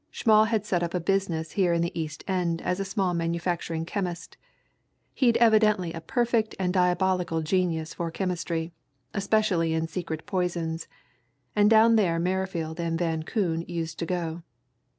Schmall had set up a business here in the East End as a small manufacturing chemist he'd evidently a perfect and a diabolical genius for chemistry, especially in secret poisons and down there Merrifield and Van Koon used to go.